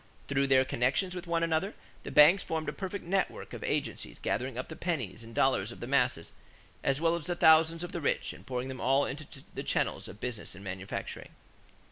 Through their connections with one another, the banks formed a perfect network of agencies gathering up the pennies and dollars of the masses as well as the thousands of the rich and pouring them all into the channels of business and manufacturing.